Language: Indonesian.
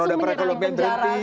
rode perekonomian berhenti